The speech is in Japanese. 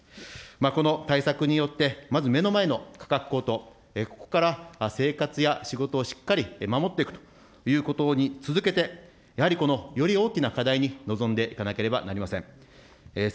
この対策によって、まず目の前の価格高騰、ここから生活や仕事をしっかり守っていくということに続けてやはりこのより大きな課題に臨んでいかなければなりません。